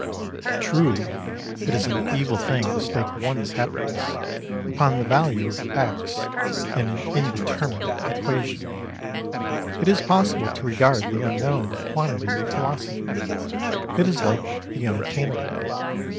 Truly it is an evil thing to stake one's happiness upon the value of x in an indeterminate equation. It is possible to regard the unknown quantity with philosophy; it is like the unattainable.